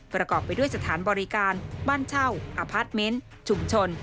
ประกอบไปด้วยสถานบริการบ้านเช่าอพาร์ทเมนต์ชุมชน